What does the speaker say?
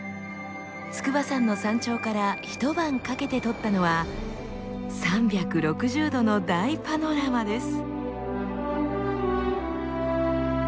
筑波山の山頂から一晩かけて撮ったのは３６０度の大パノラマです。